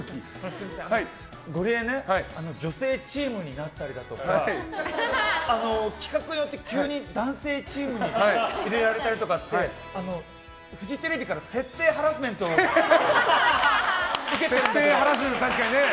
すみません、ゴリエね女性チームになったりだとか企画によって、急に男性チームに入れられたりとかってフジテレビから設定ハラスメントを確かにね。